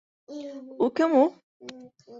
У кем у?!